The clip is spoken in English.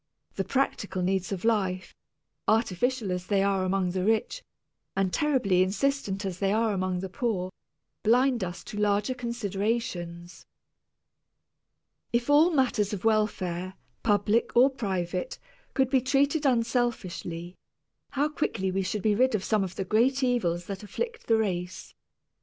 The practical needs of life, artificial as they are among the rich, and terribly insistent as they are among the poor, blind us to larger considerations. If all matters of welfare, public or private, could be treated unselfishly, how quickly we should be rid of some of the great evils that afflict the race.